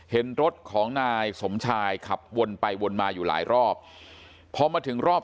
เห็นรถของนายสมชายขับวนไปวนมาอยู่หลายรอบพอมาถึงรอบ